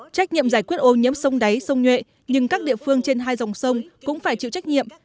trách nhiệm giải quyết ô nhiễm sông đáy sông nhuệ nhưng các địa phương trên hai dòng sông cũng phải chịu trách nhiệm